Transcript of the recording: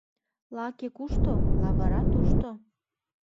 Лаке кушто — лавыра тушто